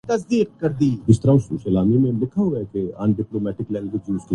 جبکہ دکان اٹالین ہے اور اس حصہ میں بائبل سے لیکر عیسائیت پر بیسیوں کتب پڑی تھیں